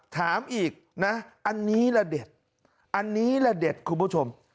ถามอีกนะอันนี้ละเด็ดอันนี้ละเด็ดคุณผู้ชม